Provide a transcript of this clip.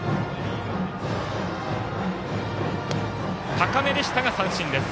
高めでしたが、三振です。